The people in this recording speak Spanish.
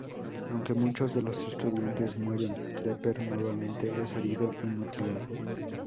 Aunque muchos de los estudiantes mueren, Creeper nuevamente es herido y mutilado.